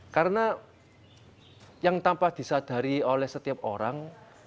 karena yang tanpa disadari oleh setiap orang